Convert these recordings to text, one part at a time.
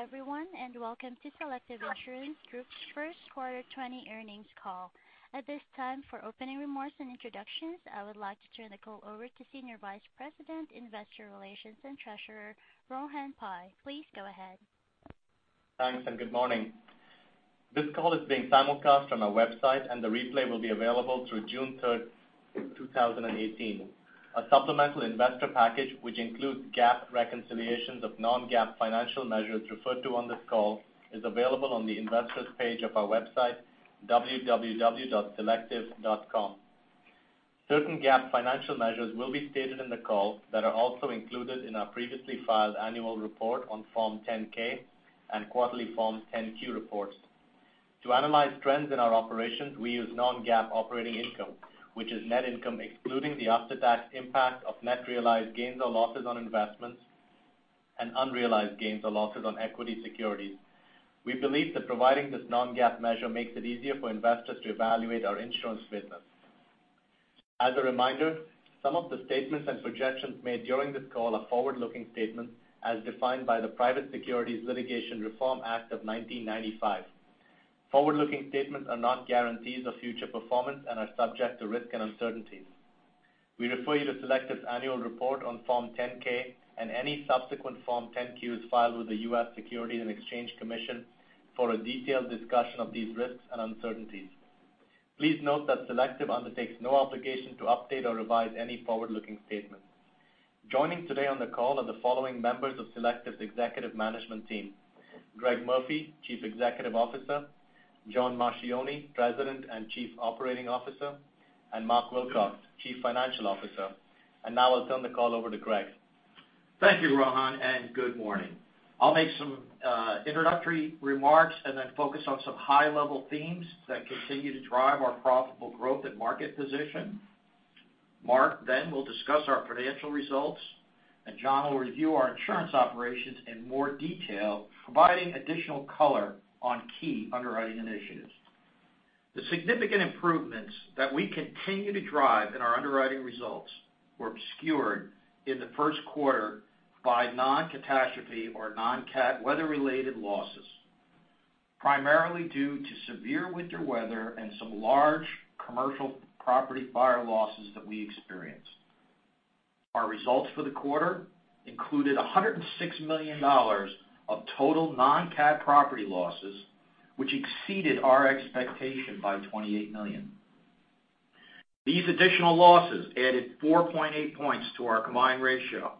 Good day everyone, welcome to Selective Insurance Group's first quarter 2020 earnings call. At this time, for opening remarks and introductions, I would like to turn the call over to Senior Vice President, Investor Relations, and Treasurer, Rohan Pai. Please go ahead. Thanks, good morning. This call is being simulcast from our website, and the replay will be available through June 3rd, 2018. A supplemental investor package, which includes GAAP reconciliations of non-GAAP financial measures referred to on this call, is available on the investor's page of our website, www.selective.com. Certain GAAP financial measures will be stated in the call that are also included in our previously filed annual report on Form 10-K and quarterly Form 10-Q reports. To analyze trends in our operations, we use non-GAAP operating income, which is net income excluding the after-tax impact of net realized gains or losses on investments and unrealized gains or losses on equity securities. We believe that providing this non-GAAP measure makes it easier for investors to evaluate our insurance business. As a reminder, some of the statements and projections made during this call are forward-looking statements as defined by the Private Securities Litigation Reform Act of 1995. Forward-looking statements are not guarantees of future performance and are subject to risk and uncertainties. We refer you to Selective's annual report on Form 10-K and any subsequent Form 10-Qs filed with the U.S. Securities and Exchange Commission for a detailed discussion of these risks and uncertainties. Please note that Selective undertakes no obligation to update or revise any forward-looking statements. Joining today on the call are the following members of Selective's executive management team: Greg Murphy, Chief Executive Officer, John Marchioni, President and Chief Operating Officer, and Mark Wilcox, Chief Financial Officer. Now I'll turn the call over to Greg. Thank you, Rohan, good morning. I'll make some introductory remarks then focus on some high-level themes that continue to drive our profitable growth and market position. Mark will discuss our financial results, John will review our insurance operations in more detail, providing additional color on key underwriting initiatives. The significant improvements that we continue to drive in our underwriting results were obscured in the first quarter by non-catastrophe or non-cat weather-related losses, primarily due to severe winter weather and some large Commercial Property fire losses that we experienced. Our results for the quarter included $106 million of total non-cat property losses, which exceeded our expectation by $28 million. These additional losses added 4.8 points to our combined ratio,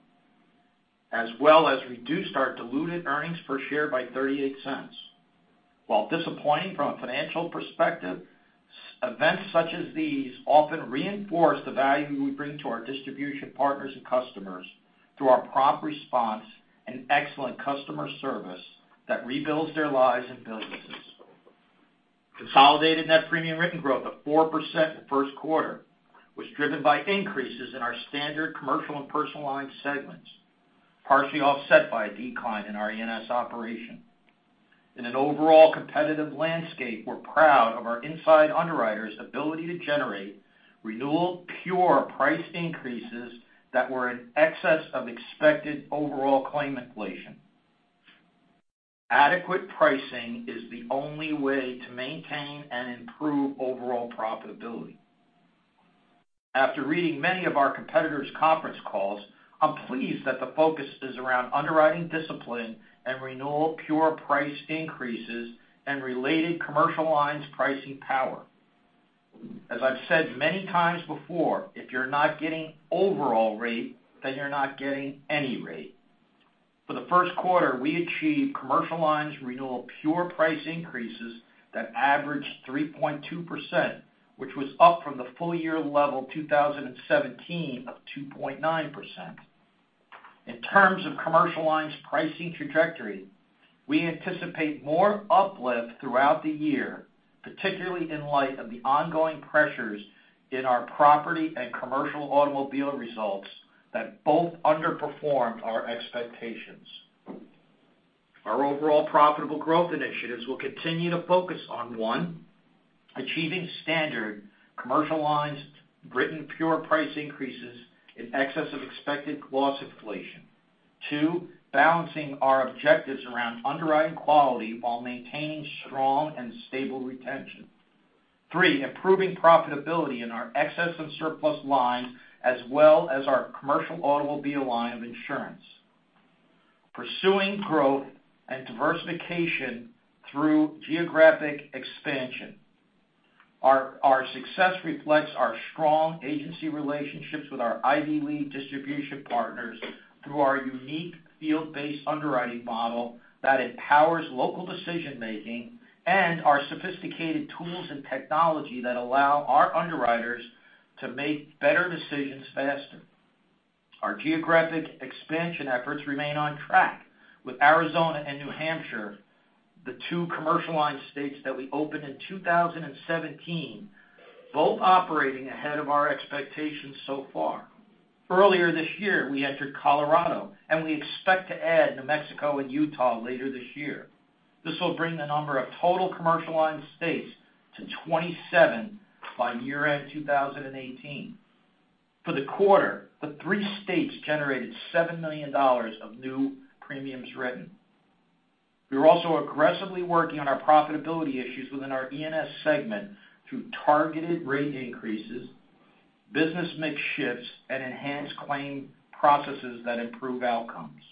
as well as reduced our diluted earnings per share by $0.38. While disappointing from a financial perspective, events such as these often reinforce the value we bring to our distribution partners and customers through our prompt response and excellent customer service that rebuilds their lives and businesses. Consolidated net premium written growth of 4% in the first quarter was driven by increases in our Standard Commercial Lines and Personal Lines segments, partially offset by a decline in our E&S operation. In an overall competitive landscape, we're proud of our inside underwriters' ability to generate renewal pure price increases that were in excess of expected overall claim inflation. Adequate pricing is the only way to maintain and improve overall profitability. After reading many of our competitors' conference calls, I'm pleased that the focus is around underwriting discipline and renewal pure price increases and related Commercial Lines pricing power. As I've said many times before, if you're not getting overall rate, then you're not getting any rate. For the first quarter, we achieved Commercial Lines renewal pure price increases that averaged 3.2%, which was up from the full-year level 2017 of 2.9%. In terms of Commercial Lines pricing trajectory, we anticipate more uplift throughout the year, particularly in light of the ongoing pressures in our Commercial Property and Commercial Auto results that both underperformed our expectations. Our overall profitable growth initiatives will continue to focus on, 1, achieving Standard Commercial Lines written pure price increases in excess of expected loss inflation. 2, balancing our objectives around underwriting quality while maintaining strong and stable retention. 3, improving profitability in our Excess and Surplus Lines, as well as our Commercial Auto line of insurance. Pursuing growth and diversification through geographic expansion. Our success reflects our strong agency relationships with our Ivy League distribution partners through our unique field-based underwriting model that empowers local decision-making and our sophisticated tools and technology that allow our underwriters to make better decisions faster. Our geographic expansion efforts remain on track with Arizona and New Hampshire, the two Commercial Lines states that we opened in 2017, both operating ahead of our expectations so far. Earlier this year, we entered Colorado, and we expect to add New Mexico and Utah later this year. This will bring the number of total Commercial Lines states to 27 by year-end 2018. For the quarter, the three states generated $7 million of new premiums written. We are also aggressively working on our profitability issues within our E&S segment through targeted rate increases, business mix shifts, and enhanced claim processes that improve outcomes.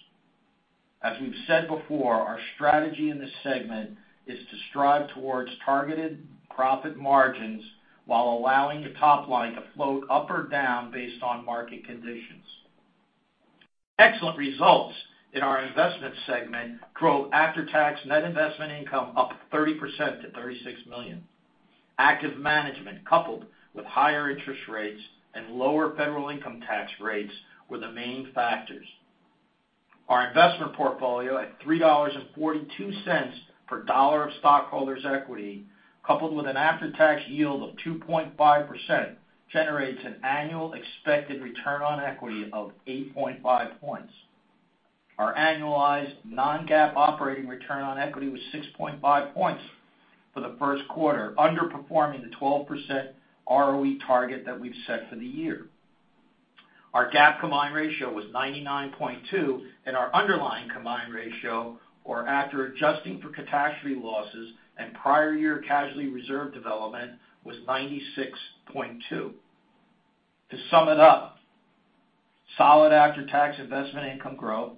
As we've said before, our strategy in this segment is to strive towards targeted profit margins while allowing the top line to float up or down based on market conditions. Excellent results in our investment segment drove after-tax net investment income up 30% to $36 million. Active management, coupled with higher interest rates and lower federal income tax rates, were the main factors. Our investment portfolio, at $3.42 per dollar of stockholders' equity, coupled with an after-tax yield of 2.5%, generates an annual expected return on equity of 8.5 points. Our annualized non-GAAP operating return on equity was 6.5 points for the first quarter, underperforming the 12% ROE target that we've set for the year. Our GAAP combined ratio was 99.2, and our underlying combined ratio, or after adjusting for catastrophe losses and prior year casualty reserve development, was 96.2. To sum it up, solid after-tax investment income growth,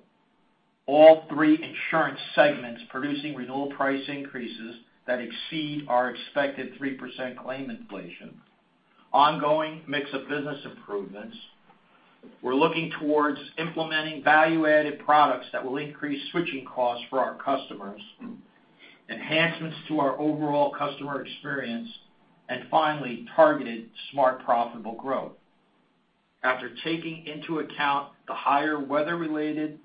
all three insurance segments producing renewal price increases that exceed our expected 3% claim inflation, ongoing mix of business improvements. We're looking towards implementing value-added products that will increase switching costs for our customers, enhancements to our overall customer experience, and finally, targeted smart, profitable growth. After taking into account the higher weather-related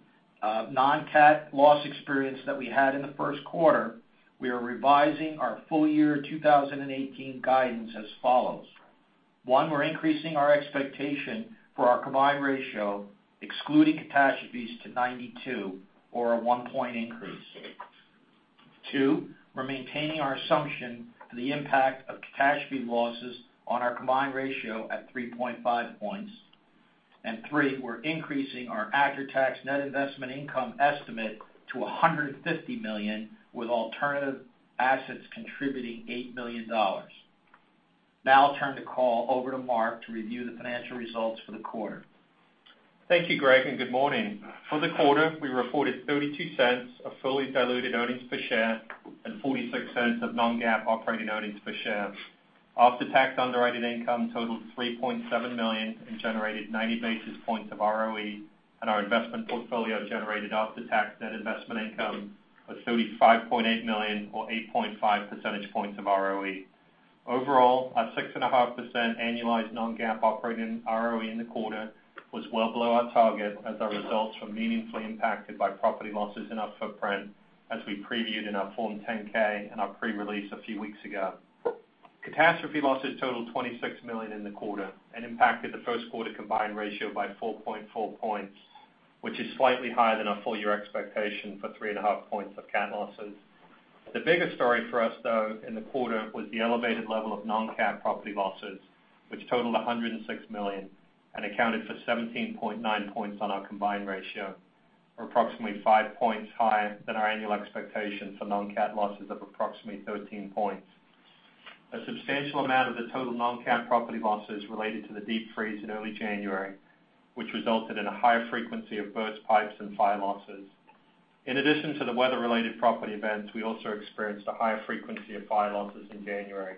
non-cat loss experience that we had in the first quarter, we are revising our full-year 2018 guidance as follows. 1, we're increasing our expectation for our combined ratio, excluding catastrophes, to 92, or a 1 point increase. 2, we're maintaining our assumption for the impact of catastrophe losses on our combined ratio at 3.5 points. 3, we're increasing our after-tax net investment income estimate to $150 million, with alternative assets contributing $8 million. Now I'll turn the call over to Mark to review the financial results for the quarter. Thank you, Greg, and good morning. For the quarter, we reported $0.32 of fully diluted earnings per share and $0.46 of non-GAAP operating earnings per share. After-tax underwritten income totaled $3.7 million and generated 90 basis points of ROE, and our investment portfolio generated after-tax net investment income of $35.8 million, or 8.5 percentage points of ROE. Overall, our 6.5% annualized non-GAAP operating ROE in the quarter was well below our target as our results were meaningfully impacted by property losses in our footprint, as we previewed in our Form 10-K and our pre-release a few weeks ago. Catastrophe losses totaled $26 million in the quarter and impacted the first quarter combined ratio by 4.4 points, which is slightly higher than our full-year expectation for 3.5 points of cat losses. The biggest story for us, though, in the quarter was the elevated level of non-cat property losses, which totaled $106 million and accounted for 17.9 points on our combined ratio, or approximately 5 points higher than our annual expectation for non-cat losses of approximately 13 points. A substantial amount of the total non-cat property losses related to the deep freeze in early January, which resulted in a high frequency of burst pipes and fire losses. In addition to the weather-related property events, we also experienced a higher frequency of fire losses in January.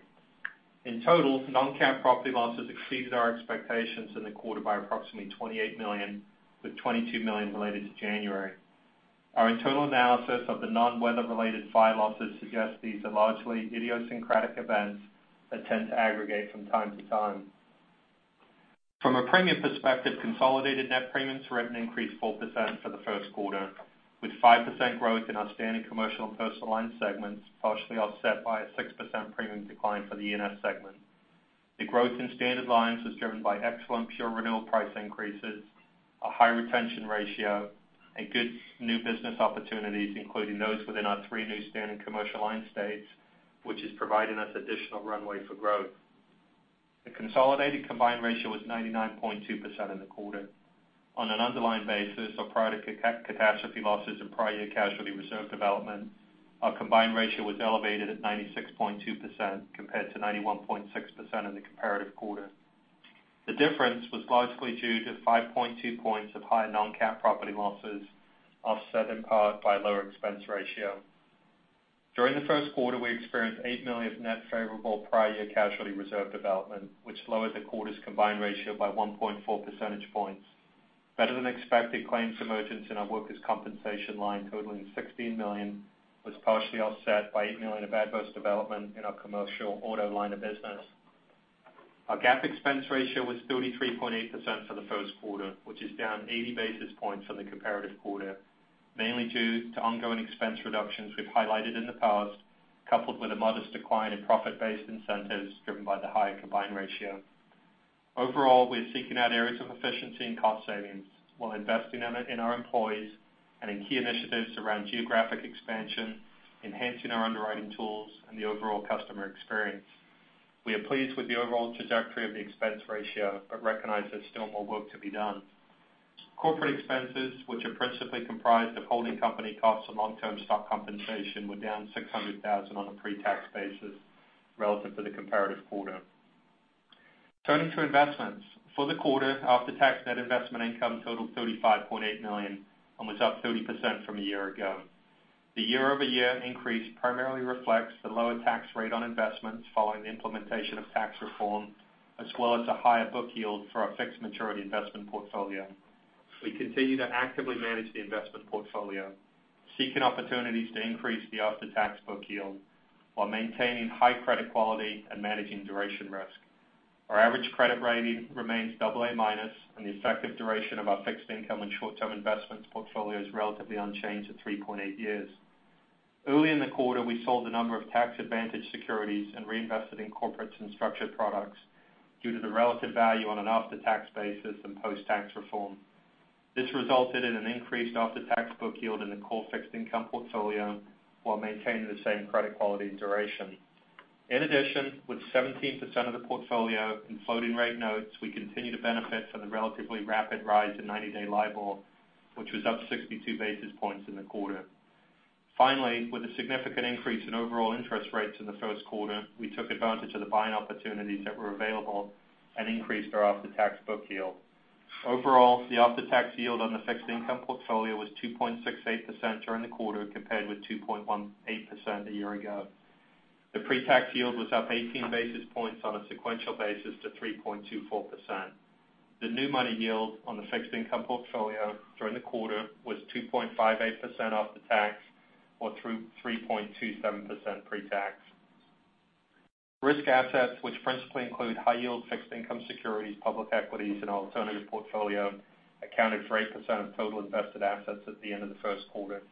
In total, non-cat property losses exceeded our expectations in the quarter by approximately $28 million, with $22 million related to January. Our internal analysis of the non-weather-related fire losses suggest these are largely idiosyncratic events that tend to aggregate from time to time. From a premium perspective, consolidated net premiums written increased 4% for the first quarter, with 5% growth in our Standard Commercial Lines and Personal Lines segments, partially offset by a 6% premium decline for the E&S segment. The growth in Standard Lines was driven by excellent pure renewal price increases, a high retention ratio, and good new business opportunities, including those within our three new Standard Commercial Lines states, which is providing us additional runway for growth. The consolidated combined ratio was 99.2% in the quarter. On an underlying basis of prior catastrophe losses and prior year casualty reserve development, our combined ratio was elevated at 96.2%, compared to 91.6% in the comparative quarter. The difference was largely due to 5.2 points of higher non-cat property losses, offset in part by a lower expense ratio. During the first quarter, we experienced $8 million of net favorable prior year casualty reserve development, which lowered the quarter's combined ratio by 1.4 percentage points. Better than expected claims emergence in our Workers' Compensation line totaling $16 million was partially offset by $8 million of adverse development in our Commercial Auto line of business. Our GAAP expense ratio was 33.8% for the first quarter, which is down 80 basis points from the comparative quarter, mainly due to ongoing expense reductions we've highlighted in the past, coupled with a modest decline in profit-based incentives driven by the higher combined ratio. Overall, we're seeking out areas of efficiency and cost savings while investing in our employees and in key initiatives around geographic expansion, enhancing our underwriting tools, and the overall customer experience. We are pleased with the overall trajectory of the expense ratio but recognize there's still more work to be done. Corporate expenses, which are principally comprised of holding company costs and long-term stock compensation, were down $600,000 on a pre-tax basis relative to the comparative quarter. Turning to investments. For the quarter, after-tax net investment income totaled $35.8 million and was up 30% from a year ago. The year-over-year increase primarily reflects the lower tax rate on investments following the implementation of tax reform, as well as a higher book yield for our fixed maturity investment portfolio. We continue to actively manage the investment portfolio, seeking opportunities to increase the after-tax book yield while maintaining high credit quality and managing duration risk. Our average credit rating remains double A-minus, and the effective duration of our fixed income and short-term investments portfolio is relatively unchanged at 3.8 years. Early in the quarter, we sold a number of tax-advantaged securities and reinvested in corporates and structured products due to the relative value on an after-tax basis and post-tax reform. This resulted in an increased after-tax book yield in the core fixed income portfolio while maintaining the same credit quality and duration. In addition, with 17% of the portfolio in floating rate notes, we continue to benefit from the relatively rapid rise in 90-day LIBOR, which was up 62 basis points in the quarter. Finally, with a significant increase in overall interest rates in the first quarter, we took advantage of the buying opportunities that were available and increased our after-tax book yield. Overall, the after-tax yield on the fixed income portfolio was 2.68% during the quarter, compared with 2.18% a year ago. The pre-tax yield was up 18 basis points on a sequential basis to 3.24%. The new money yield on the fixed income portfolio during the quarter was 2.58% after tax or 3.27% pre-tax. Risk assets, which principally include high yield fixed income securities, public equities, and alternative portfolio, accounted for 8% of total invested assets at the end of the first quarter.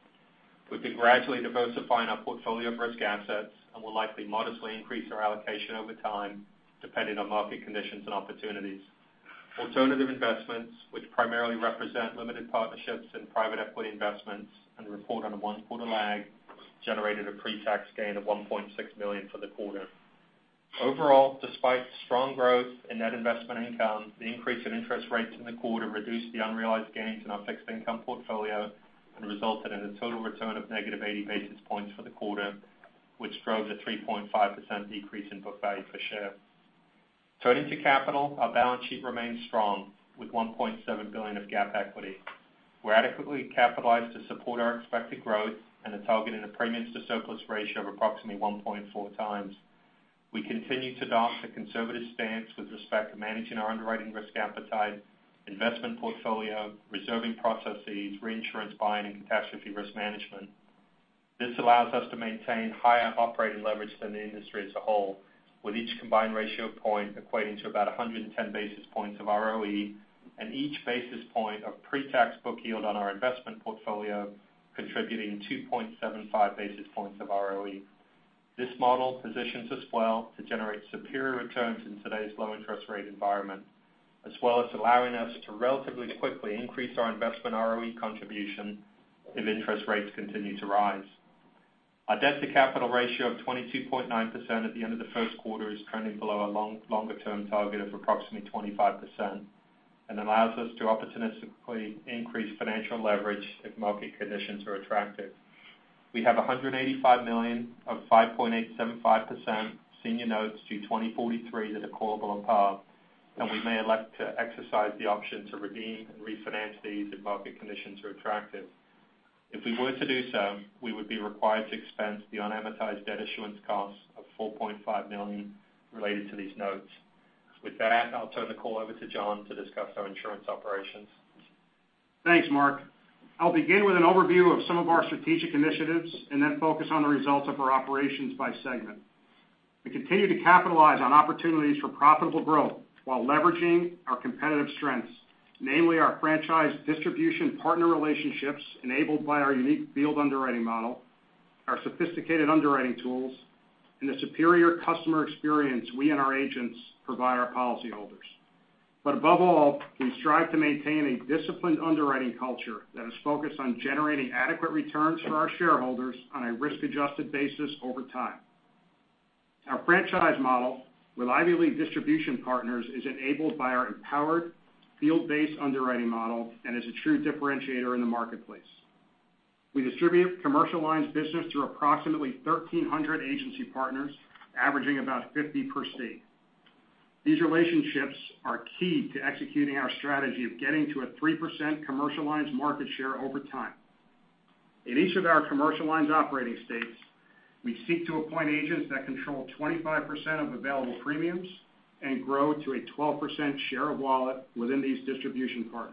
We've been gradually diversifying our portfolio of risk assets and will likely modestly increase our allocation over time, depending on market conditions and opportunities. Alternative investments, which primarily represent limited partnerships in private equity investments and report on a one-quarter lag, generated a pre-tax gain of $1.6 million for the quarter. Overall, despite strong growth in net investment income, the increase in interest rates in the quarter reduced the unrealized gains in our fixed income portfolio and resulted in a total return of negative 80 basis points for the quarter, which drove the 3.5% decrease in book value per share. Turning to capital, our balance sheet remains strong with $1.7 billion of GAAP equity. We're adequately capitalized to support our expected growth and a target premiums to surplus ratio of approximately 1.4 times. We continue to adopt a conservative stance with respect to managing our underwriting risk appetite, investment portfolio, reserving processes, reinsurance buying, and catastrophe risk management. This allows us to maintain higher operating leverage than the industry as a whole, with each combined ratio point equating to about 110 basis points of ROE and each basis point of pre-tax book yield on our investment portfolio contributing 2.75 basis points of ROE. This model positions us well to generate superior returns in today's low interest rate environment, as well as allowing us to relatively quickly increase our investment ROE contribution if interest rates continue to rise. Our debt to capital ratio of 22.9% at the end of the first quarter is trending below our longer-term target of approximately 25% and allows us to opportunistically increase financial leverage if market conditions are attractive. We have $185 million of 5.875% senior notes due 2043 that are callable or above, and we may elect to exercise the option to redeem and refinance these if market conditions are attractive. If we were to do so, we would be required to expense the unamortized debt issuance costs of $4.5 million related to these notes. With that, I'll turn the call over to John to discuss our insurance operations. Thanks, Mark. I'll begin with an overview of some of our strategic initiatives and then focus on the results of our operations by segment. We continue to capitalize on opportunities for profitable growth while leveraging our competitive strengths, namely our franchise distribution partner relationships enabled by our unique field underwriting model, our sophisticated underwriting tools, and the superior customer experience we and our agents provide our policyholders. Above all, we strive to maintain a disciplined underwriting culture that is focused on generating adequate returns for our shareholders on a risk-adjusted basis over time. Our franchise model with Ivy League distribution partners is enabled by our empowered field-based underwriting model and is a true differentiator in the marketplace. We distribute commercial lines business through approximately 1,300 agency partners, averaging about 50 per state. These relationships are key to executing our strategy of getting to a 3% commercial lines market share over time. In each of our commercial lines operating states, we seek to appoint agents that control 25% of available premiums and grow to a 12% share of wallet within these distribution partners.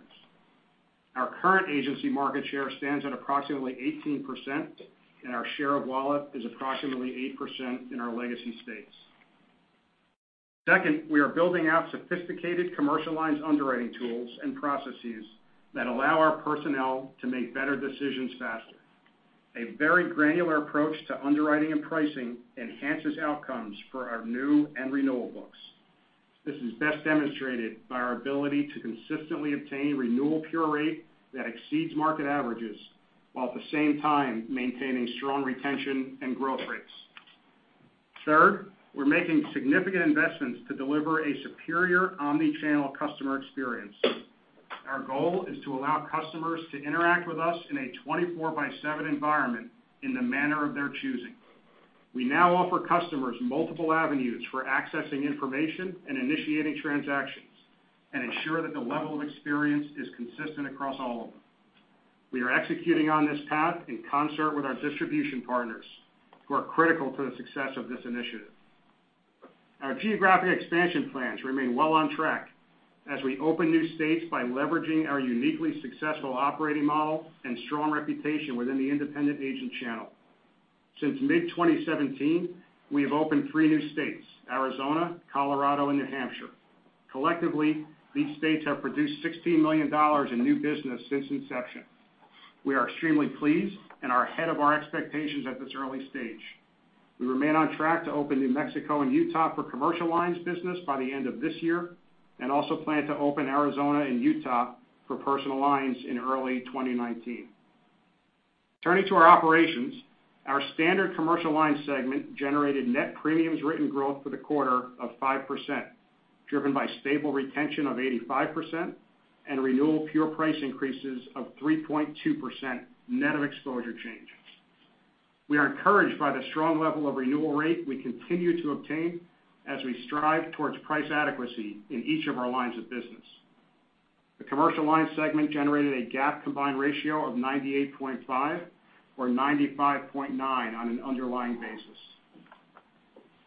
Our current agency market share stands at approximately 18%, and our share of wallet is approximately 8% in our legacy states. Second, we are building out sophisticated commercial lines underwriting tools and processes that allow our personnel to make better decisions faster. A very granular approach to underwriting and pricing enhances outcomes for our new and renewal books. This is best demonstrated by our ability to consistently obtain renewal pure rate that exceeds market averages while at the same time maintaining strong retention and growth rates. Third, we're making significant investments to deliver a superior omni-channel customer experience. Our goal is to allow customers to interact with us in a 24 by seven environment in the manner of their choosing. We now offer customers multiple avenues for accessing information and initiating transactions, and ensure that the level of experience is consistent across all of them. We are executing on this path in concert with our distribution partners, who are critical to the success of this initiative. Our geographic expansion plans remain well on track as we open new states by leveraging our uniquely successful operating model and strong reputation within the independent agent channel. Since mid-2017, we have opened three new states, Arizona, Colorado, and New Hampshire. Collectively, these states have produced $16 million in new business since inception. We are extremely pleased and are ahead of our expectations at this early stage. We remain on track to open New Mexico and Utah for commercial lines business by the end of this year, and also plan to open Arizona and Utah for personal lines in early 2019. Turning to our operations, our Standard Commercial Lines segment generated net premiums written growth for the quarter of 5%, driven by stable retention of 85% and renewal pure price increases of 3.2% net of exposure changes. We are encouraged by the strong level of renewal rate we continue to obtain as we strive towards price adequacy in each of our lines of business. The commercial lines segment generated a GAAP combined ratio of 98.5 or 95.9 on an underlying basis.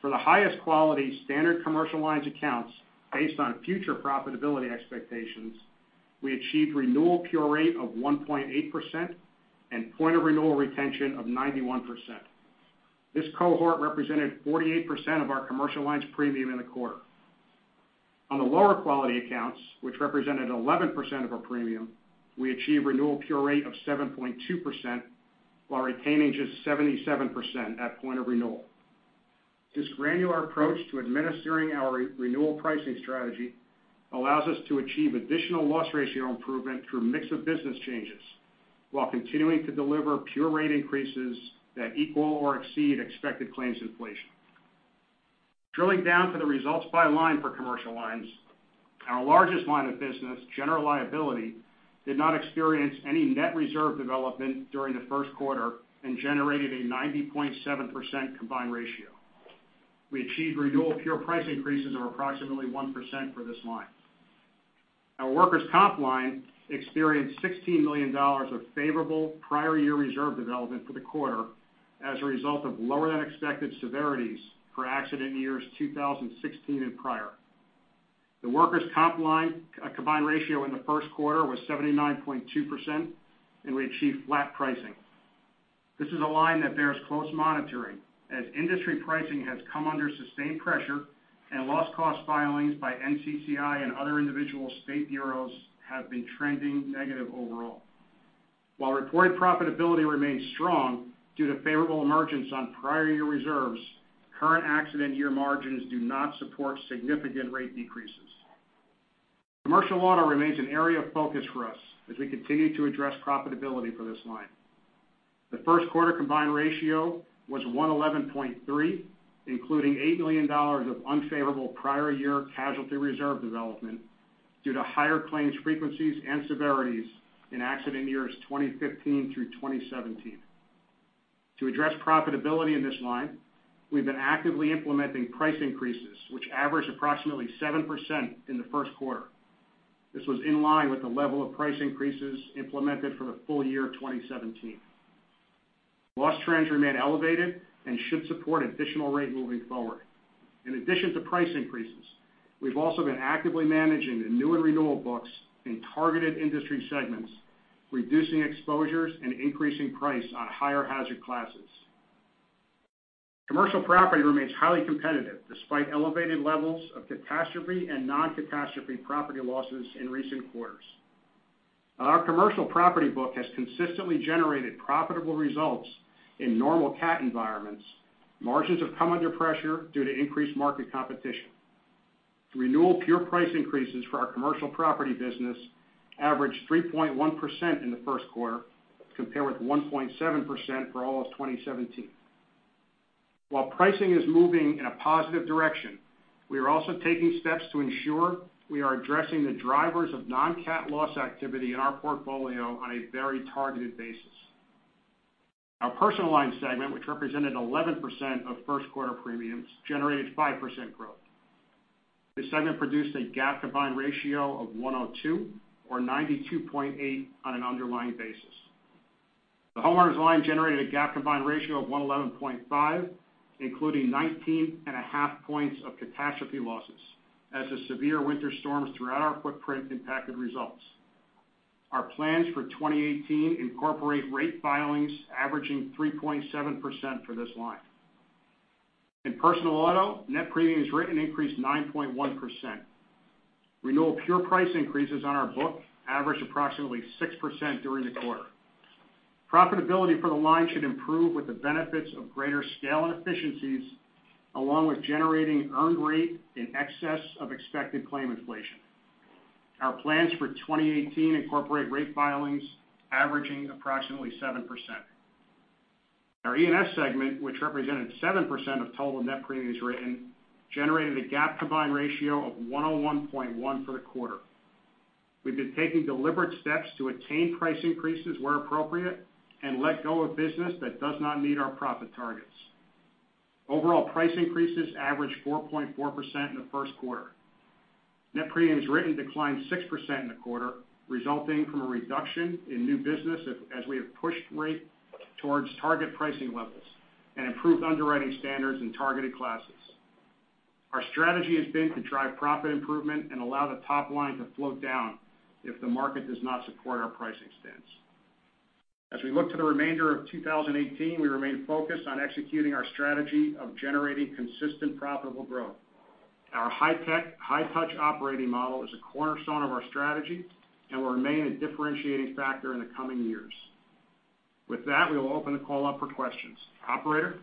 For the highest quality Standard Commercial Lines accounts, based on future profitability expectations, we achieved renewal pure rate of 1.8% and point of renewal retention of 91%. This cohort represented 48% of our commercial lines premium in the quarter. On the lower quality accounts, which represented 11% of our premium, we achieved renewal pure rate of 7.2% while retaining just 77% at point of renewal. This granular approach to administering our renewal pricing strategy allows us to achieve additional loss ratio improvement through mix of business changes while continuing to deliver pure rate increases that equal or exceed expected claims inflation. Drilling down to the results by line for commercial lines, our largest line of business, General Liability, did not experience any net reserve development during the first quarter and generated a 90.7% combined ratio. We achieved renewal pure price increases of approximately 1% for this line. Our Workers' Comp line experienced $16 million of favorable prior year reserve development for the quarter as a result of lower than expected severities for accident years 2016 and prior. The Workers' Comp line combined ratio in the first quarter was 79.2%, and we achieved flat pricing. This is a line that bears close monitoring, as industry pricing has come under sustained pressure and loss cost filings by NCCI and other individual state bureaus have been trending negative overall. While reported profitability remains strong due to favorable emergence on prior year reserves, current accident year margins do not support significant rate decreases. Commercial Auto remains an area of focus for us as we continue to address profitability for this line. The first quarter combined ratio was 111.3, including $8 million of unfavorable prior year casualty reserve development due to higher claims frequencies and severities in accident years 2015 through 2017. To address profitability in this line, we've been actively implementing price increases, which averaged approximately 7% in the first quarter. This was in line with the level of price increases implemented for the full year 2017. Loss trends remain elevated and should support additional rate moving forward. In addition to price increases, we've also been actively managing the new and renewal books in targeted industry segments, reducing exposures and increasing price on higher hazard classes. Commercial Property remains highly competitive despite elevated levels of catastrophe and non-catastrophe property losses in recent quarters. Our Commercial Property book has consistently generated profitable results in normal cat environments. Margins have come under pressure due to increased market competition. Renewal pure price increases for our Commercial Property business averaged 3.1% in the first quarter, compared with 1.7% for all of 2017. While pricing is moving in a positive direction, we are also taking steps to ensure we are addressing the drivers of non-cat loss activity in our portfolio on a very targeted basis. Our Personal Lines segment, which represented 11% of first quarter premiums, generated 5% growth. This segment produced a GAAP combined ratio of 102 or 92.8 on an underlying basis. The homeowners line generated a GAAP combined ratio of 111.5, including 19 and a half points of catastrophe losses as the severe winter storms throughout our footprint impacted results. Our plans for 2018 incorporate rate filings averaging 3.7% for this line. In Personal Auto, net premiums written increased 9.1%. Renewal pure price increases on our book averaged approximately 6% during the quarter. Profitability for the line should improve with the benefits of greater scale and efficiencies, along with generating earned rate in excess of expected claim inflation. Our plans for 2018 incorporate rate filings averaging approximately 7%. Our E&S segment, which represented 7% of total net premiums written, generated a GAAP combined ratio of 101.1 for the quarter. We've been taking deliberate steps to attain price increases where appropriate and let go of business that does not meet our profit targets. Overall price increases averaged 4.4% in the first quarter. Net premiums written declined 6% in the quarter, resulting from a reduction in new business as we have pushed rate towards target pricing levels and improved underwriting standards in targeted classes. Our strategy has been to drive profit improvement and allow the top line to float down if the market does not support our pricing stance. As we look to the remainder of 2018, we remain focused on executing our strategy of generating consistent profitable growth. Our high-tech, high-touch operating model is a cornerstone of our strategy and will remain a differentiating factor in the coming years. With that, we will open the call up for questions. Operator?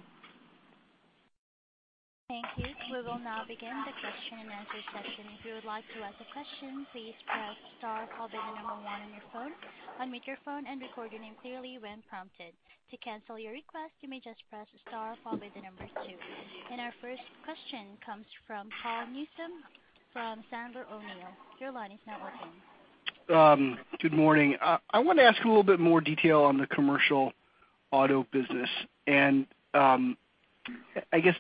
Thank you. We will now begin the question and answer session. If you would like to ask a question, please press star followed by 1 on your phone. Unmute your phone and record your name clearly when prompted. To cancel your request, you may just press star followed by 2. Our first question comes from Paul Newsome from Sandler O'Neill. Your line is now open. Good morning. I want to ask a little bit more detail on the Commercial Auto business. I guess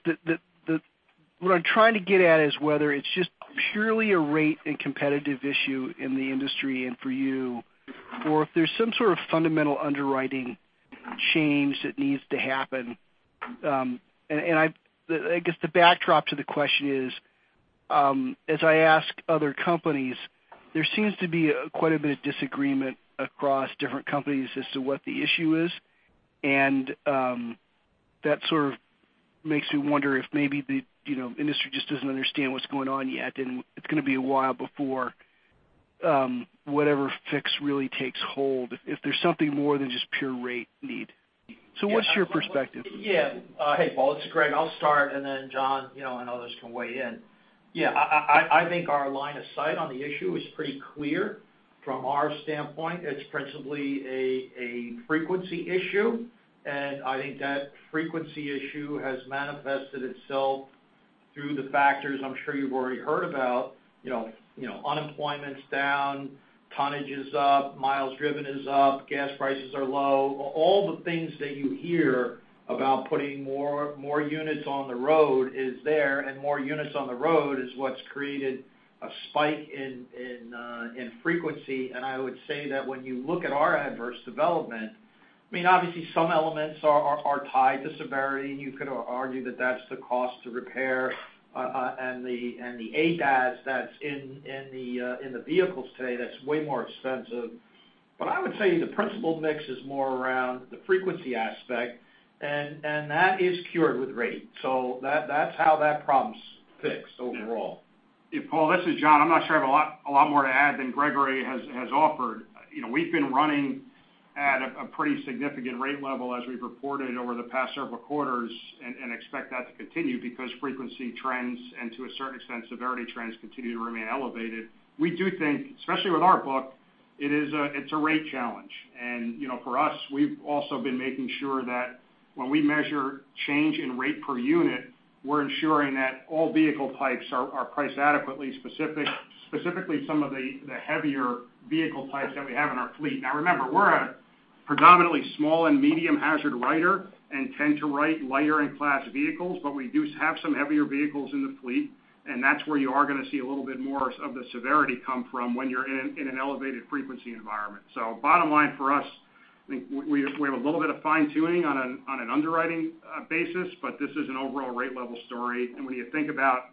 what I'm trying to get at is whether it's just purely a rate and competitive issue in the industry and for you, or if there's some sort of fundamental underwriting change that needs to happen. I guess the backdrop to the question is, as I ask other companies, there seems to be quite a bit of disagreement across different companies as to what the issue is. That sort of makes me wonder if maybe the industry just doesn't understand what's going on yet, and it's going to be a while before whatever fix really takes hold, if there's something more than just pure rate need. What's your perspective? Hey, Paul, it's Greg. I'll start, then John and others can weigh in. I think our line of sight on the issue is pretty clear. From our standpoint, it's principally a frequency issue. I think that frequency issue has manifested itself through the factors I'm sure you've already heard about. Unemployment's down, tonnage is up, miles driven is up, gas prices are low. All the things that you hear about putting more units on the road is there. More units on the road is what's created a spike in frequency. I would say that when you look at our adverse development, obviously some elements are tied to severity. You could argue that that's the cost to repair and the ADAS that's in the vehicles today, that's way more expensive. I would say the principal mix is more around the frequency aspect. That is cured with rate. That's how that problem's fixed overall. Paul, this is John. I'm not sure I have a lot more to add than Gregory has offered. We've been running at a pretty significant rate level as we've reported over the past several quarters and expect that to continue because frequency trends and to a certain extent, severity trends continue to remain elevated. We do think, especially with our book, it's a rate challenge. For us, we've also been making sure that when we measure change in rate per unit, we're ensuring that all vehicle types are priced adequately, specifically some of the heavier vehicle types that we have in our fleet. Remember, we're a predominantly small and medium hazard writer and tend to write lighter in class vehicles, but we do have some heavier vehicles in the fleet, and that's where you are going to see a little bit more of the severity come from when you're in an elevated frequency environment. Bottom line for us, we have a little bit of fine-tuning on an underwriting basis, but this is an overall rate level story. When you think about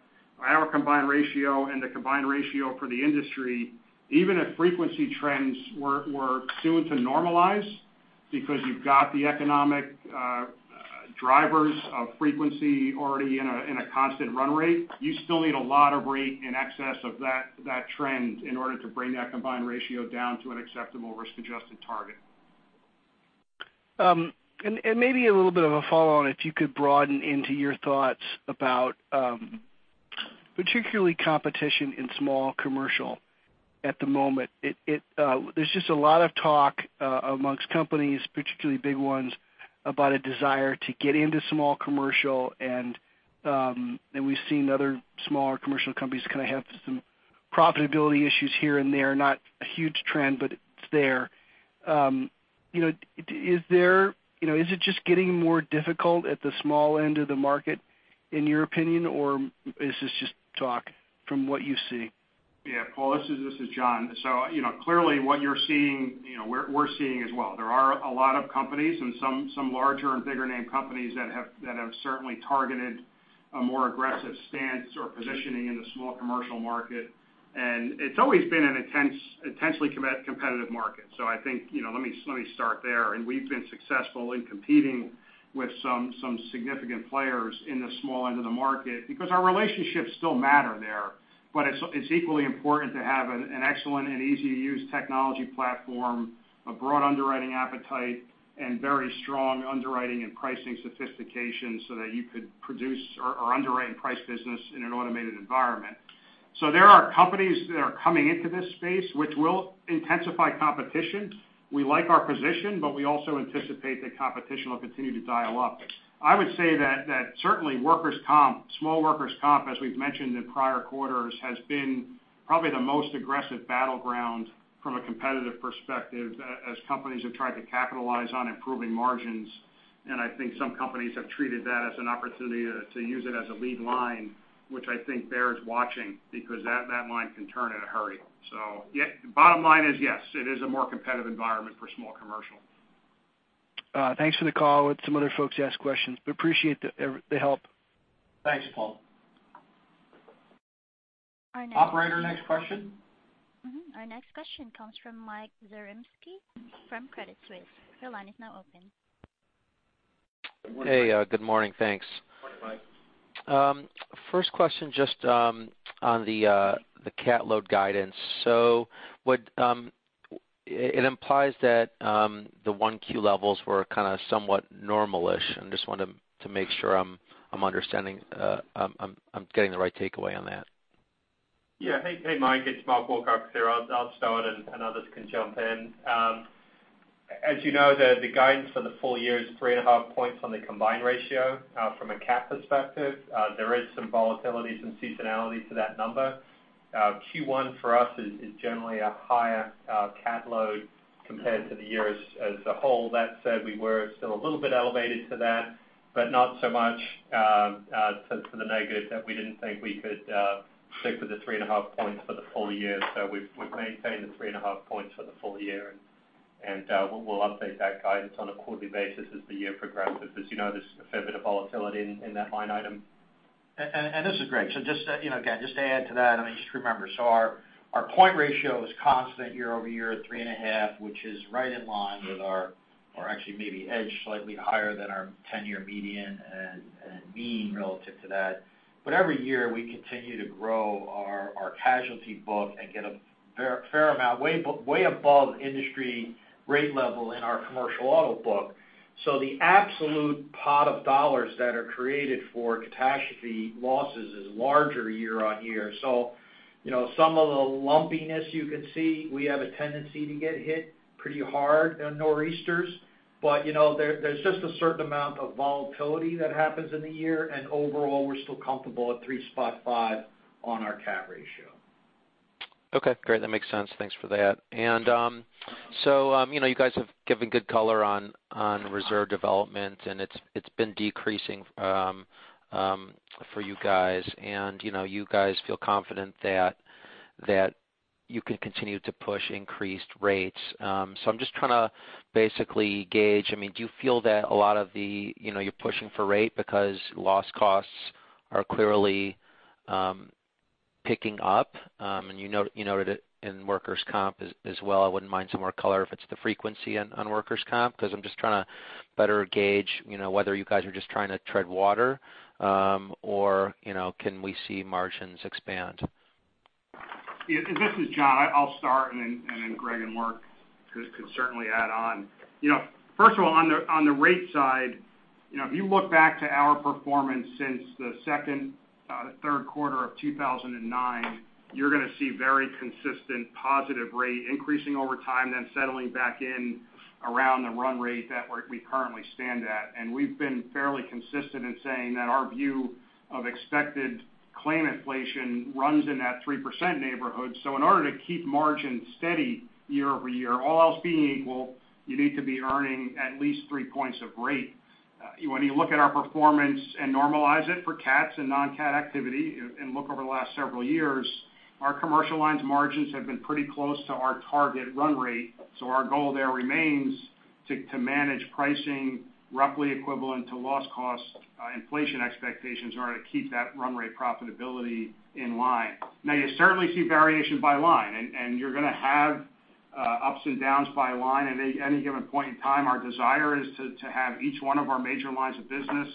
our combined ratio and the combined ratio for the industry, even if frequency trends were soon to normalize because you've got the economic drivers of frequency already in a constant run rate, you still need a lot of rate in excess of that trend in order to bring that combined ratio down to an acceptable risk-adjusted target. Maybe a little bit of a follow-on, if you could broaden into your thoughts about particularly competition in small commercial at the moment. There's just a lot of talk amongst companies, particularly big ones, about a desire to get into small commercial, and we've seen other smaller commercial companies kind of have some profitability issues here and there. Not a huge trend, but it's there. Is it just getting more difficult at the small end of the market in your opinion, or is this just talk from what you see? Paul, this is John. Clearly what you're seeing, we're seeing as well. There are a lot of companies and some larger and bigger name companies that have certainly targeted a more aggressive stance or positioning in the small commercial market, it's always been an intensely competitive market. I think, let me start there. We've been successful in competing with some significant players in the small end of the market because our relationships still matter there. It's equally important to have an excellent and easy-to-use technology platform, a broad underwriting appetite, and very strong underwriting and pricing sophistication so that you could produce or underwrite and price business in an automated environment. There are companies that are coming into this space, which will intensify competition. We like our position, we also anticipate that competition will continue to dial up. I would say that certainly workers' comp, small workers' comp, as we've mentioned in prior quarters, has been probably the most aggressive battleground from a competitive perspective as companies have tried to capitalize on improving margins. I think some companies have treated that as an opportunity to use it as a lead line, which I think bears watching because that line can turn in a hurry. Bottom line is, yes, it is a more competitive environment for small commercial. Thanks for the call. Let some other folks ask questions, but appreciate the help. Thanks, Paul. Our next- Operator, next question. Our next question comes from Michael Zaremski from Credit Suisse. Your line is now open. Hey, good morning. Thanks. Morning, Mike. First question just on the cat load guidance. It implies that the 1Q levels were kind of somewhat normal-ish, and just wanted to make sure I'm getting the right takeaway on that. Hey, Mike, it's Mark Wilcox here. I'll start, and others can jump in. As you know, the guidance for the full year is 3.5 points on the combined ratio. From a cat perspective, there is some volatility, some seasonality to that number. Q1 for us is generally a higher cat load compared to the year as a whole. That said, we were still a little bit elevated to that, but not so much to the negative that we didn't think we could stick with the 3.5 points for the full year. We've maintained the 3.5 points for the full year, and we'll update that guidance on a quarterly basis as the year progresses because there's a fair bit of volatility in that line item. This is Greg. Just again, just to add to that, just remember, our point ratio is constant year-over-year at 3.5, which is right in line with our-- or actually maybe edged slightly higher than our 10-year median and mean relative to that. Every year, we continue to grow our casualty book and get a fair amount way above industry rate level in our Commercial Auto book. The absolute pot of dollars that are created for catastrophe losses is larger year-on-year. Some of the lumpiness you can see, we have a tendency to get hit pretty hard in Nor'easters. There's just a certain amount of volatility that happens in a year, and overall, we're still comfortable at 3.5 on our cat ratio. Okay, great. That makes sense. Thanks for that. You guys have given good color on reserve development, and it's been decreasing for you guys. You guys feel confident that you can continue to push increased rates. I'm just trying to basically gauge, do you feel that you're pushing for rate because loss costs are clearly picking up? You noted it in workers' comp as well. I wouldn't mind some more color if it's the frequency on workers' comp, because I'm just trying to better gauge whether you guys are just trying to tread water, or can we see margins expand? Yeah. This is John. I'll start. Greg and Mark could certainly add on. First of all, on the rate side, if you look back to our performance since the second, third quarter of 2009, you're going to see very consistent positive rate increasing over time, then settling back in around the run rate that we currently stand at. We've been fairly consistent in saying that our view of expected claim inflation runs in that 3% neighborhood. In order to keep margins steady year-over-year, all else being equal, you need to be earning at least 3 points of rate. When you look at our performance and normalize it for cats and non-cat activity and look over the last several years, our commercial lines margins have been pretty close to our target run rate. Our goal there remains to manage pricing roughly equivalent to loss cost inflation expectations in order to keep that run rate profitability in line. You certainly see variation by line, and you're going to have ups and downs by line at any given point in time. Our desire is to have each one of our major lines of business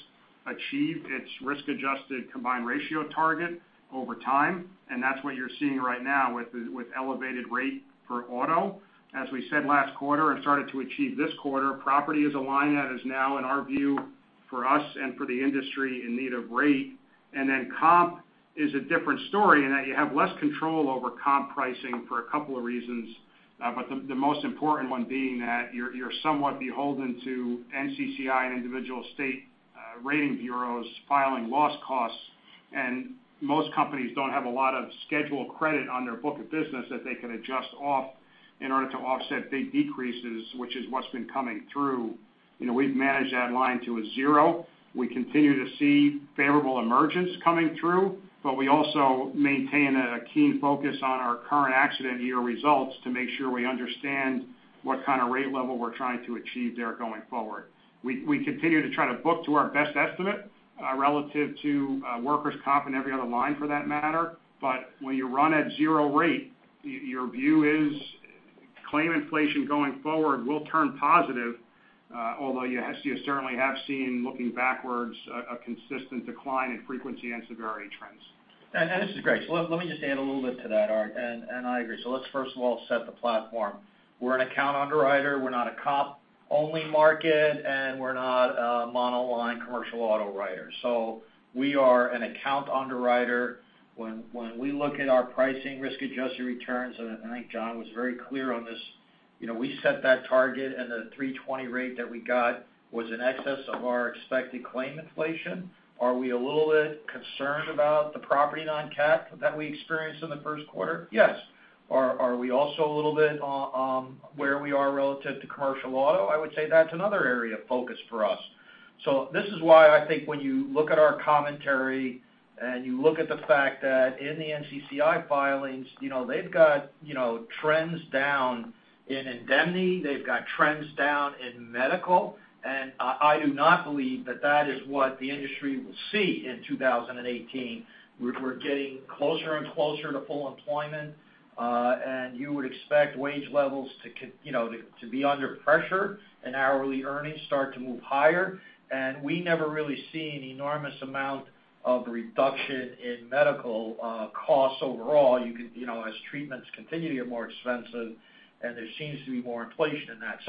achieve its risk-adjusted combined ratio target over time, and that's what you're seeing right now with elevated rate for auto. As we said last quarter and started to achieve this quarter, property is a line that is now, in our view, for us and for the industry, in need of rate. Comp is a different story in that you have less control over comp pricing for a couple of reasons. The most important one being that you're somewhat beholden to NCCI and individual state rating bureaus filing loss costs. Most companies don't have a lot of schedule credit on their book of business that they can adjust off in order to offset big decreases, which is what's been coming through. We've managed that line to a zero. We continue to see favorable emergence coming through, but we also maintain a keen focus on our current accident year results to make sure we understand what kind of rate level we're trying to achieve there going forward. We continue to try to book to our best estimate relative to workers' comp and every other line for that matter. When you run at zero rate, your view is claim inflation going forward will turn positive. Although you certainly have seen, looking backwards, a consistent decline in frequency and severity trends. This is Greg. Let me just add a little bit to that, Art, and I agree. Let's first of all set the platform. We're an account underwriter. We're not a comp-only market, and we're not commercial auto writers. We are an account underwriter. When we look at our pricing risk-adjusted returns, and I think John was very clear on this, we set that target, and the 320 rate that we got was in excess of our expected claim inflation. Are we a little bit concerned about the property non-cat that we experienced in the first quarter? Yes. Are we also a little bit on where we are relative to Commercial Auto? I would say that's another area of focus for us. This is why I think when you look at our commentary and you look at the fact that in the NCCI filings, they've got trends down in indemnity, they've got trends down in medical. I do not believe that that is what the industry will see in 2018. We're getting closer and closer to full employment, and you would expect wage levels to be under pressure and hourly earnings start to move higher. We never really see an enormous amount of reduction in medical costs overall as treatments continue to get more expensive, and there seems to be more inflation in that.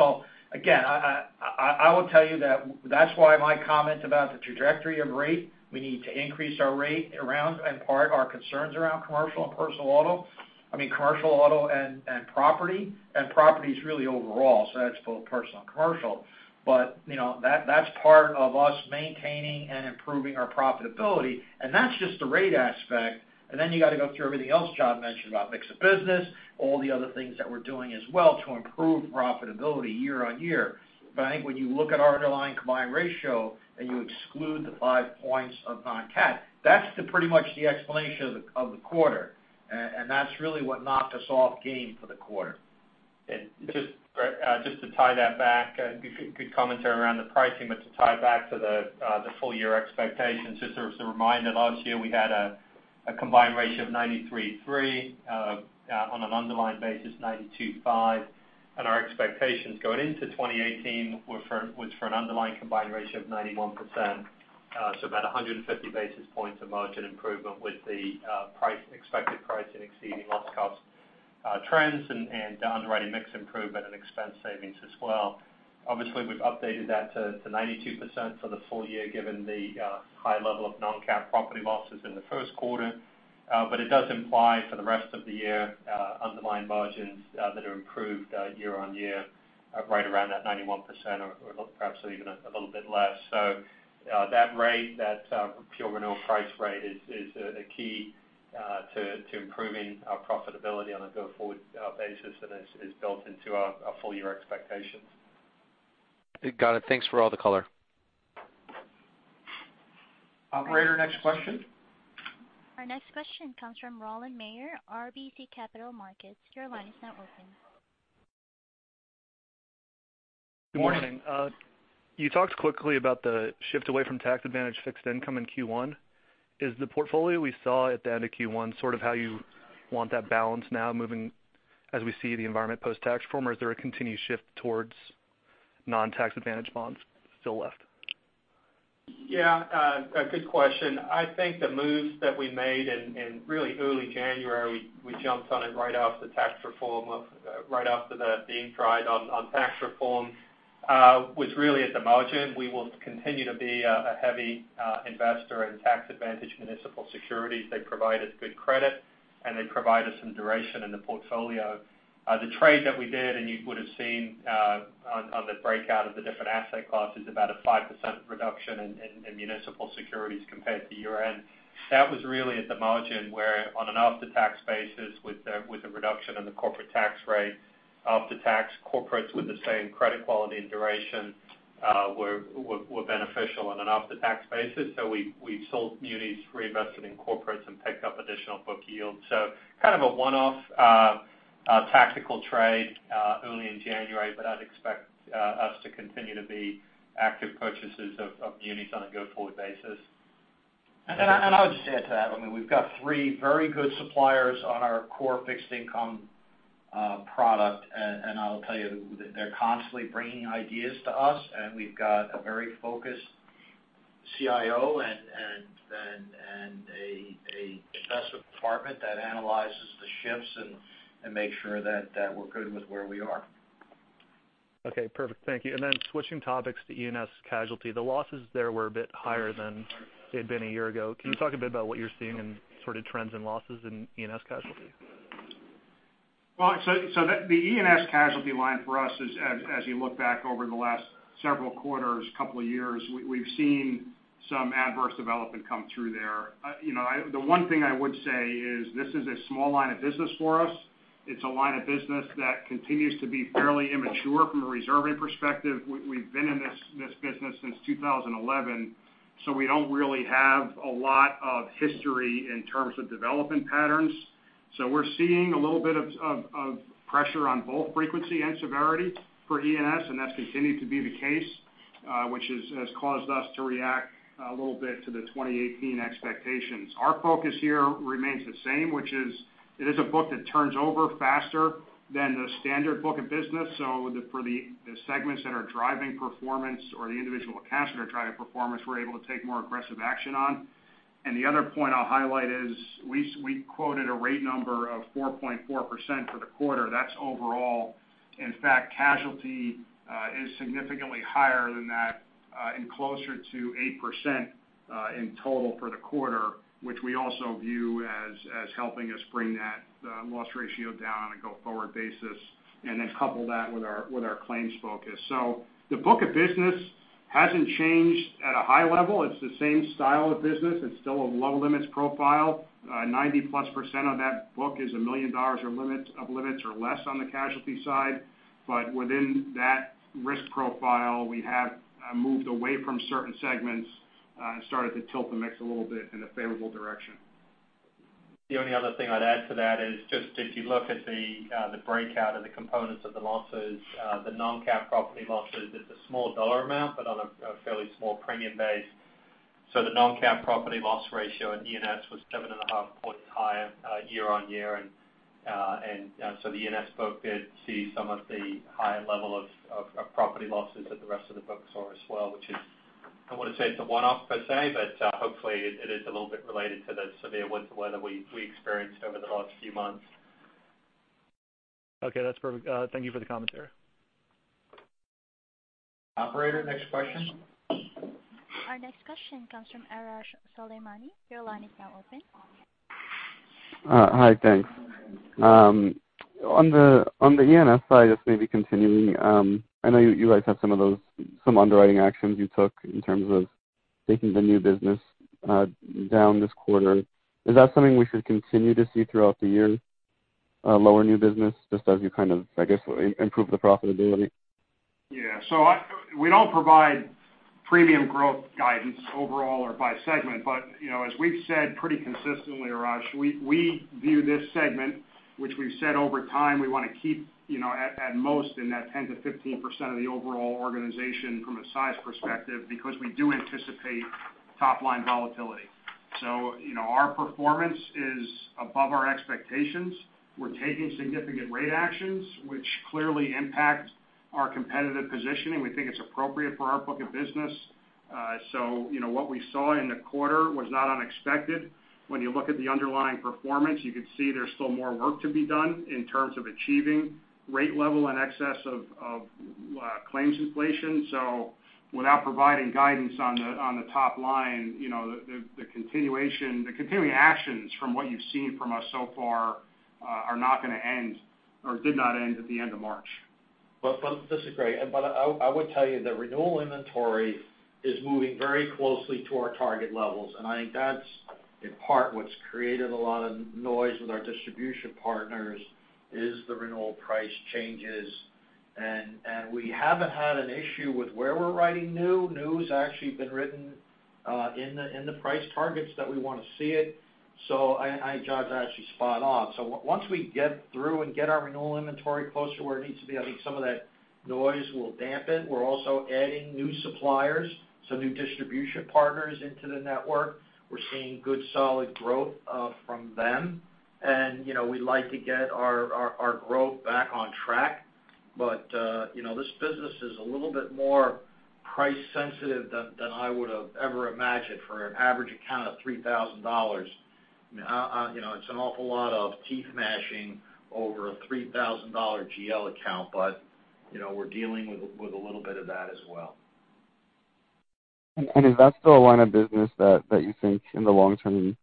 Again, I will tell you that that's why my comment about the trajectory of rate, we need to increase our rate around and part of our concerns around Commercial and Personal Auto. I mean, Commercial Auto and Property, and Property's really overall, so that's both Personal and Commercial. That's part of us maintaining and improving our profitability, and that's just the rate aspect, and then you got to go through everything else John mentioned about mix of business, all the other things that we're doing as well to improve profitability year-on-year. I think when you look at our underlying combined ratio and you exclude the five points of non-cat, that's pretty much the explanation of the quarter, and that's really what knocked us off game for the quarter. Just to tie that back, good commentary around the pricing, to tie it back to the full-year expectations, just as a reminder, last year, we had a combined ratio of 93.3, on an underlying basis, 92.5. Our expectations going into 2018 was for an underlying combined ratio of 91%, so about 150 basis points of margin improvement with the expected pricing exceeding loss cost trends and underwriting mix improvement and expense savings as well. Obviously, we've updated that to 92% for the full year given the high level of non-cat Property losses in the first quarter. It does imply for the rest of the year, underlying margins that are improved year-on-year, right around that 91% or perhaps even a little bit less. That rate, that pure renewal price rate is key to improving our profitability on a go-forward basis and is built into our full-year expectations. Got it. Thanks for all the color. Operator, next question. Our next question comes from Roland Meier, RBC Capital Markets. Your line is now open. Morning. Good morning. You talked quickly about the shift away from tax-advantaged fixed income in Q1. Is the portfolio we saw at the end of Q1 sort of how you want that balance now moving as we see the environment post-tax reform, or is there a continued shift towards non-tax-advantaged bonds still left? Yeah. A good question. I think the moves that we made in really early January, we jumped on it right after that being tried on tax reform, was really at the margin. We will continue to be a heavy investor in tax-advantaged municipal securities. They provide us good credit, and they provide us some duration in the portfolio. The trade that we did, and you would've seen on the breakout of the different asset classes, about a 5% reduction in municipal securities compared to year-end. That was really at the margin where on an after-tax basis with the reduction in the corporate tax rate, after-tax corporates with the same credit quality and duration were beneficial on an after-tax basis. We sold munis, reinvested in corporates, and picked up additional book yield. Kind of a one-off tactical trade early in January, but I'd expect us to continue to be active purchasers of munis on a go-forward basis. I would just add to that, we've got three very good suppliers on our core fixed income product, and I'll tell you, they're constantly bringing ideas to us, and we've got a very focused CIO and an investment department that analyzes the shifts and makes sure that we're good with where we are. Okay, perfect. Thank you. Switching topics to E&S casualty, the losses there were a bit higher than they had been a year ago. Can you talk a bit about what you're seeing in sort of trends and losses in E&S casualty? The E&S casualty line for us is, as you look back over the last several quarters, couple of years, we've seen some adverse development come through there. The one thing I would say is this is a small line of business for us. It's a line of business that continues to be fairly immature from a reserving perspective. We've been in this business since 2011, so we don't really have a lot of history in terms of development patterns. We're seeing a little bit of pressure on both frequency and severity for E&S, and that's continued to be the case, which has caused us to react a little bit to the 2018 expectations. Our focus here remains the same, which is it is a book that turns over faster than the standard book of business. For the segments that are driving performance or the individual accounts that are driving performance, we're able to take more aggressive action on The other point I'll highlight is we quoted a rate number of 4.4% for the quarter. That's overall. In fact, casualty is significantly higher than that and closer to 8% in total for the quarter, which we also view as helping us bring that loss ratio down on a go-forward basis, and then couple that with our claims focus. The book of business hasn't changed at a high level. It's the same style of business. It's still a low limits profile. 90-plus % of that book is $1 million of limits or less on the casualty side. Within that risk profile, we have moved away from certain segments and started to tilt the mix a little bit in a favorable direction. The only other thing I'd add to that is just if you look at the breakout of the components of the losses, the non-cap property losses, it's a small dollar amount but on a fairly small premium base. The non-cap property loss ratio in E&S was 7.5 points higher year-over-year. The E&S book did see some of the higher level of property losses that the rest of the books saw as well, which is, I wouldn't say it's a one-off per se, but hopefully it is a little bit related to the severe winter weather we experienced over the last few months. Okay, that's perfect. Thank you for the commentary. Operator, next question. Our next question comes from Arash Soleimani. Your line is now open. Hi, thanks. On the E&S side, just maybe continuing, I know you guys have some underwriting actions you took in terms of taking the new business down this quarter. Is that something we should continue to see throughout the year, lower new business just as you improve the profitability? Yeah. We don't provide premium growth guidance overall or by segment. As we've said pretty consistently, Arash, we view this segment, which we've said over time, we want to keep at most in that 10%-15% of the overall organization from a size perspective because we do anticipate top-line volatility. Our performance is above our expectations. We're taking significant rate actions which clearly impact our competitive positioning. We think it's appropriate for our book of business. What we saw in the quarter was not unexpected. When you look at the underlying performance, you can see there's still more work to be done in terms of achieving rate level in excess of claims inflation. Without providing guidance on the top line, the continuing actions from what you've seen from us so far are not going to end or did not end at the end of March. This is Greg. I would tell you the renewal inventory is moving very closely to our target levels. I think that's in part what's created a lot of noise with our distribution partners, is the renewal price changes. We haven't had an issue with where we're writing new. New's actually been written in the price targets that we want to see it. I think John's actually spot on. Once we get through and get our renewal inventory closer to where it needs to be, I think some of that noise will dampen. We're also adding new suppliers, new distribution partners into the network. We're seeing good solid growth from them. We'd like to get our growth back on track. This business is a little bit more price sensitive than I would've ever imagined for an average account of $3,000. It's an awful lot of teeth gnashing over a $3,000 GL account, but we're dealing with a little bit of that as well. Is that still a line of business that you think in the long term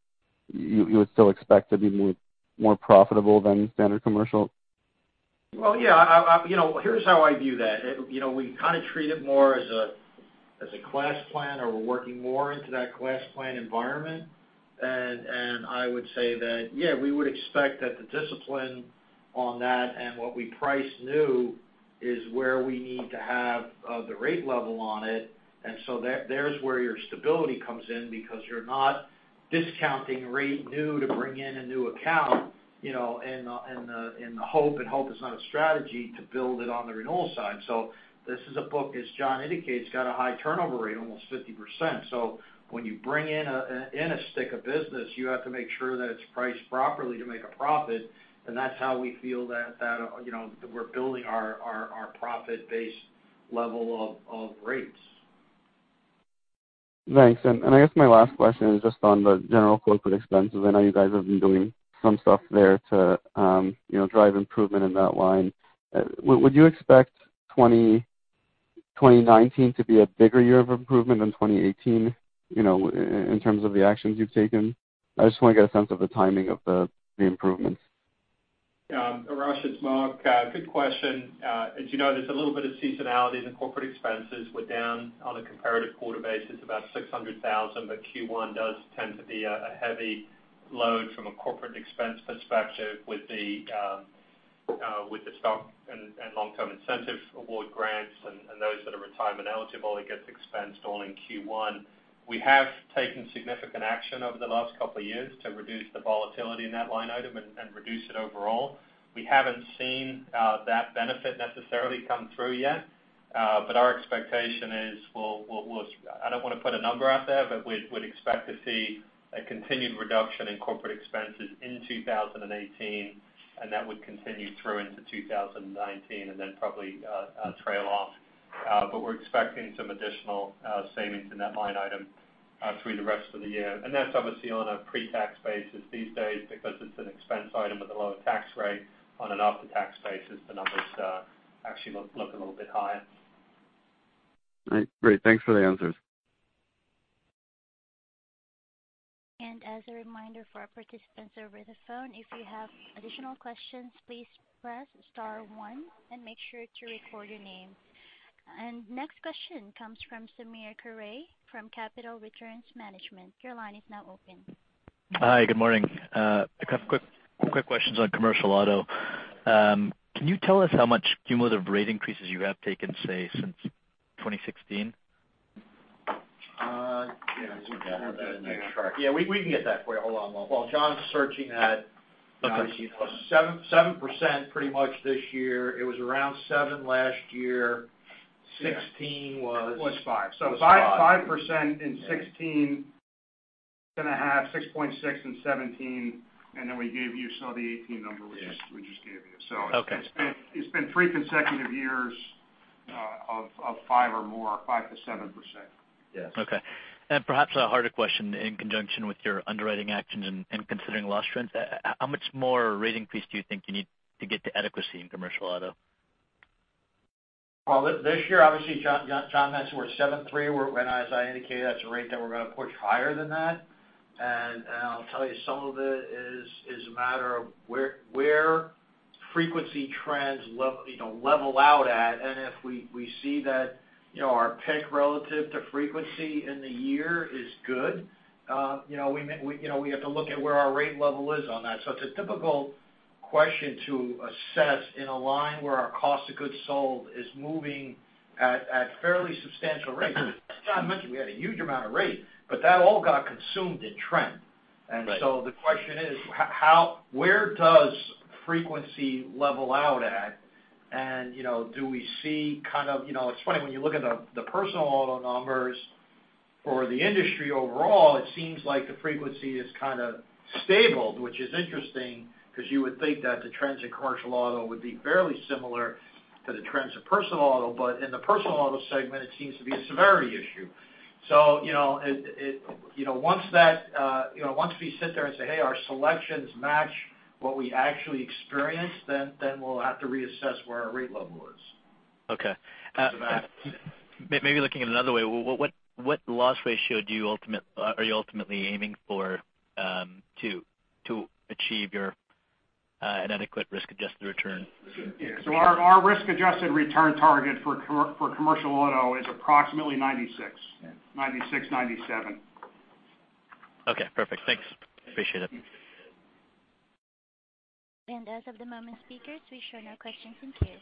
you would still expect to be more profitable than standard commercial? Well, yeah. Here's how I view that. We kind of treat it more as a class plan or we're working more into that class plan environment. I would say that, yeah, we would expect that the discipline on that and what we price new is where we need to have the rate level on it. There's where your stability comes in because you're not discounting rate new to bring in a new account in the hope, and hope is not a strategy to build it on the renewal side. This is a book, as John indicates, got a high turnover rate, almost 50%. When you bring in a stick of business, you have to make sure that it's priced properly to make a profit. That's how we feel that we're building our profit-based level of rates. Thanks. I guess my last question is just on the general corporate expenses. I know you guys have been doing some stuff there to drive improvement in that line. Would you expect 2019 to be a bigger year of improvement than 2018, in terms of the actions you've taken? I just want to get a sense of the timing of the improvements. Arash, it's Mark. Good question. As you know, there's a little bit of seasonality in the corporate expenses. We're down on a comparative quarter basis about $600,000, Q1 does tend to be a heavy load from a corporate expense perspective with the stock and long-term incentive award grants and those that are retirement eligible, it gets expensed all in Q1. We have taken significant action over the last couple of years to reduce the volatility in that line item and reduce it overall. We haven't seen that benefit necessarily come through yet. Our expectation is, I don't want to put a number out there, but we'd expect to see a continued reduction in corporate expenses in 2018, and that would continue through into 2019 and then probably trail off. We're expecting some additional savings in that line item through the rest of the year. That's obviously on a pre-tax basis these days because it's an expense item with a lower tax rate. On an after-tax basis, the numbers actually look a little bit higher. Right. Great. Thanks for the answers. As a reminder for our participants over the phone, if you have additional questions, please press star one and make sure to record your name. Next question comes from Samir Khare from Capital Returns Management. Your line is now open. Hi, good morning. A couple of quick questions on Commercial Auto. Can you tell us how much cumulative rate increases you have taken, say, since 2016? Yeah. We've got that in a chart. Yeah, we can get that for you. Hold on. While John's searching that. Okay obviously it was 7% pretty much this year. It was around 7% last year. 2016 was Was 5%. Was 5%. 5% in 2016. 6.5%, 6.6% in 2017. You saw the 2018 number we just gave you. Okay. It's been three consecutive years of five or more, 5%-7%. Yes. Okay. Perhaps a harder question in conjunction with your underwriting actions and considering loss trends, how much more rate increase do you think you need to get to adequacy in Commercial Auto? Well, this year, obviously, John mentioned we're at 7.3%, as I indicated, that's a rate that we're going to push higher than that. I'll tell you, some of it is a matter of where frequency trends level out at, if we see that our pick relative to frequency in the year is good, we have to look at where our rate level is on that. It's a difficult question to assess in a line where our cost of goods sold is moving at fairly substantial rates. As John mentioned, we had a huge amount of rate, but that all got consumed in trend. Right. The question is, where does frequency level out at? It's funny, when you look at the Personal Auto numbers for the industry overall, it seems like the frequency is kind of stable, which is interesting, because you would think that the trends in Commercial Auto would be fairly similar to the trends in Personal Auto. In the Personal Auto segment, it seems to be a severity issue. Once we sit there and say, "Hey, our selections match what we actually experienced," we'll have to reassess where our rate level is. Okay. That's about it. Looking at it another way, what loss ratio are you ultimately aiming for to achieve an adequate risk-adjusted return? Our risk-adjusted return target for Commercial Auto is approximately 96. Yeah. 96, 97. Okay, perfect. Thanks. Appreciate it. As of the moment, speakers, we show no questions in queue.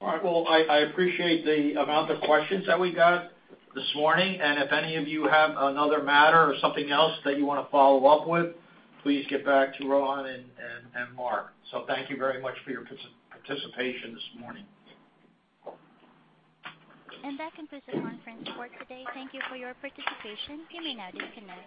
All right. Well, I appreciate the amount of questions that we got this morning. If any of you have another matter or something else that you want to follow up with, please get back to Rohan and Mark. Thank you very much for your participation this morning. That concludes the conference for today. Thank you for your participation. You may now disconnect.